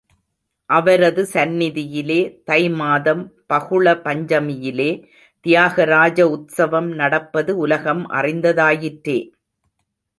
அவரது சந்நிதியிலே தை மாதம் பகுள பஞ்சமியிலே தியாக ராஜ உத்சவம் நடப்பது உலகம் அறிந்ததாயிற்றே.